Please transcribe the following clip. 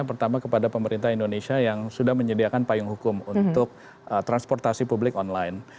pertama kepada pemerintah indonesia yang sudah menyediakan payung hukum untuk transportasi publik online